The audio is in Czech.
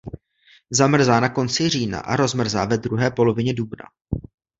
Zamrzá na konci října a rozmrzá ve druhé polovině dubna.